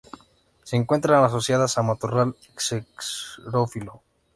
Se encuentra asociada a matorral xerófilo.